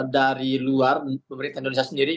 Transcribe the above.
dari luar pemerintah indonesia sendiri